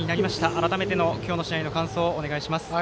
改めての今日の試合の感想お願いします。